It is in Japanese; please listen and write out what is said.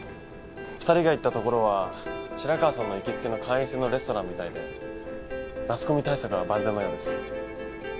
２人が行ったところは白川さんの行きつけの会員制のレストランみたいでマスコミ対策は万全のようです。